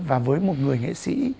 và với một người nghệ sĩ